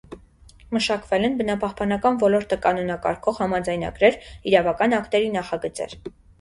Մշակվել են բնապահպանական ոլորտը կանոնակարգող համաձայնագրեր, իրավական ակտերի նախագծեր։